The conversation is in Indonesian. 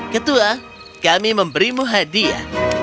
ketua kami memberimu hadiah